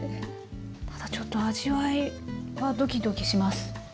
ただちょっと味わいはどきどきします。